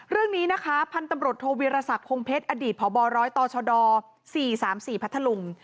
เรื่องนี้นะคะพันธุ์ตำรวจโทวิรสักคงเพชรอดีตพบร้อยตชด๔๓๔พัทธลุง